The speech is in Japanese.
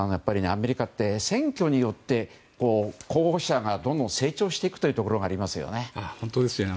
アメリカって選挙によって候補者がどんどん成長していくことがありますね。